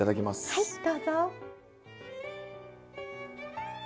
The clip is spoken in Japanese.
はいどうぞ。